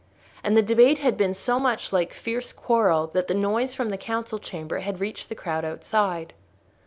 And the debate had been so much like fierce quarrel that the noise from the council chamber had reached the crowd outside.